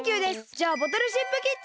じゃあボトルシップキッチンへ！